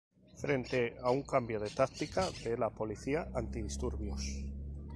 Frente a un cambio de táctica de la policía antidisturbios